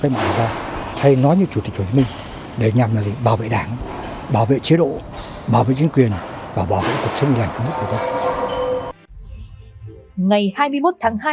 ngày hai mươi một tháng hai năm một nghìn chín trăm bốn mươi sáu